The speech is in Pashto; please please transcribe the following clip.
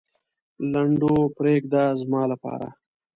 لنډو پرېږده زما لپاره.